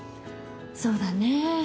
そうだね。